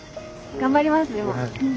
頑張ります。